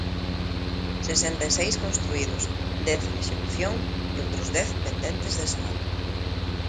Sesenta e seis construídos, dez en execución e outros dez pendentes de soar.